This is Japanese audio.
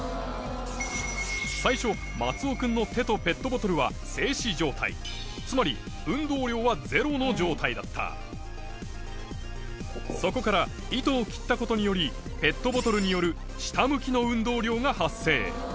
最初松尾君の手とペットボトルはつまり運動量はゼロの状態だったそこから糸を切ったことによりペットボトルによる下向きの運動量が発生